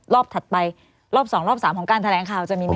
ถัดไปรอบ๒รอบ๓ของการแถลงข่าวจะมีไหมค